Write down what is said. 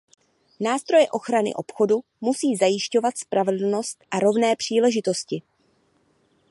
Nástroje ochrany obchodu musí zajišťovat spravedlnost a rovné příležitosti.